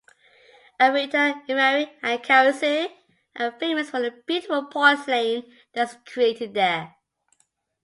Arita, Imari and Karatsu are famous for the beautiful porcelain that is created there.